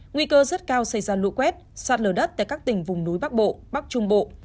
nguy cơ rất cao xảy ra lũ quét sạt lở đất tại các tỉnh vùng núi bắc bộ bắc trung bộ